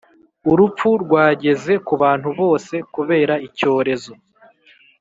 Urupfu rwageze ku bantu bose kubera icyorezo